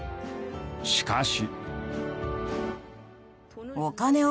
しかし。